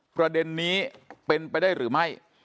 ประเด็นนี้เป็นไปได้หรือไม่